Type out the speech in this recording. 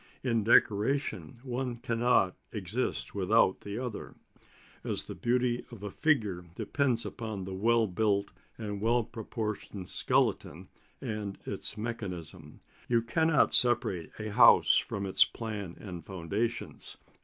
In decoration one cannot exist without the other, as the beauty of a figure depends upon the well built and well proportioned skeleton and its mechanism. You cannot separate a house from its plan and foundations.